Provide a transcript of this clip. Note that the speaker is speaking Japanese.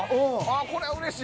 これはうれしい。